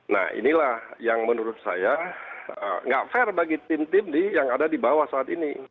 nah inilah yang menurut saya nggak fair bagi tim tim yang ada di bawah saat ini